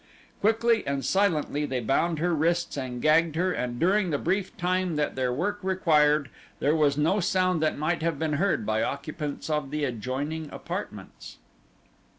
Quickly and silently they bound her wrists and gagged her and during the brief time that their work required there was no sound that might have been heard by occupants of the adjoining apartments.